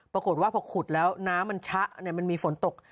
ปรากฏว่าพอขุดแล้วน้ำมันชะมันมีฝนตก